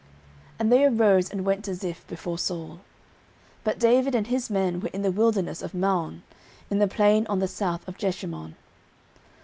09:023:024 And they arose, and went to Ziph before Saul: but David and his men were in the wilderness of Maon, in the plain on the south of Jeshimon.